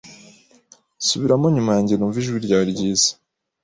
subiramo nyuma yanjye numve ijwi ryawe ryiza